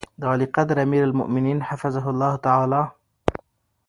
د عاليقدر اميرالمؤمنين حفظه الله تعالی